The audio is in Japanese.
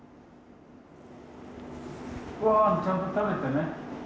ごはんちゃんと食べてね。